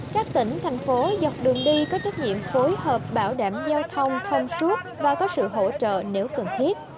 các tỉnh thành phố dọc đường đi có trách nhiệm phối hợp bảo đảm giao thông thông suốt và có sự hỗ trợ nếu cần thiết